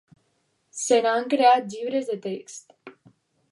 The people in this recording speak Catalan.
Se n'han creat llibres de text.